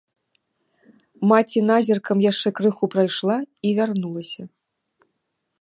Маці назіркам яшчэ крыху прайшла і вярнулася.